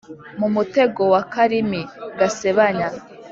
mu mutego w’akarimi gasebanya,